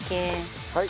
はい。